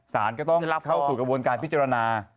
สารก็ต้องรับเข้าสู่กระบวนการพิจารณา